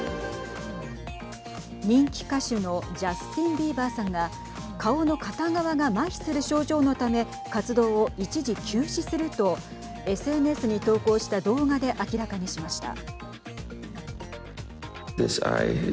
人気歌手のジャスティン・ビーバーさんが顔の片側がまひする症状のため活動を一時休止するとＳＮＳに投稿した動画で明らかにしました。